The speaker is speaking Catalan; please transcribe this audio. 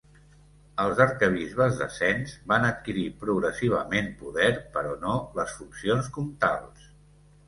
Els arquebisbes de Sens van adquirir progressivament poder però no les funcions comtals.